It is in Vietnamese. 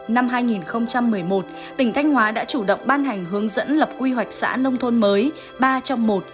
năm hai nghìn một mươi một tỉnh thanh hóa đã chủ động ban hành hướng dẫn lập quy hoạch xã nông thôn mới ba trong một